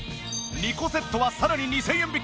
２個セットはさらに２０００円引き。